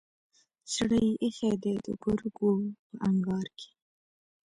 زړه يې ايښی دی دګرګو په انګار کې